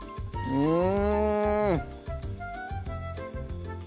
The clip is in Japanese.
うん！